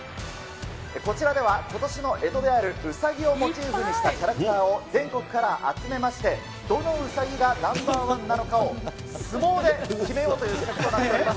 こちらでは今年のえとであるうさぎをモチーフにしたキャラクターを全国から集めまして、どのうさぎがナンバー１なのかを相撲で決めようという企画となっております。